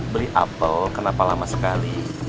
beli apel kenapa lama sekali